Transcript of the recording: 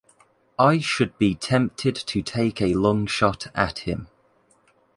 I should be tempted to take a long shot at him.